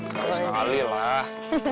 salah sekali lah